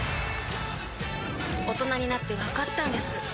大人になってわかったんです